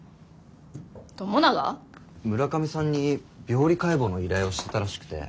村上さんに病理解剖の依頼をしてたらしくて。